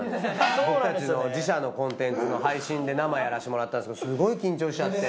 僕たちの自社のコンテンツの配信で生やらせてもらったんですけどすごい緊張しちゃって。